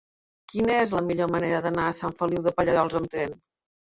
Quina és la millor manera d'anar a Sant Feliu de Pallerols amb tren?